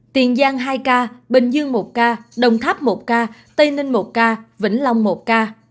tiền giang hai ca bình dương một ca đồng tháp một ca tây ninh một ca vĩnh long một ca